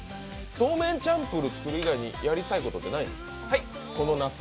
そうめんチャンプル作る以外にやりたいことってないんですか。